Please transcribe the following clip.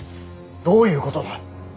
どういうことだ。